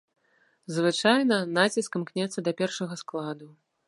Звычайна, націск імкнецца да першага складу.